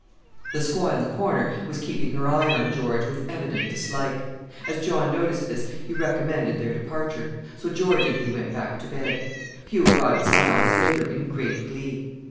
'" The squaw in the corner was keeping her eye on George with evident dislike. As John noticed this he recommended their departure; so George and he went back to bed. Hugh arrived home hours later in great glee.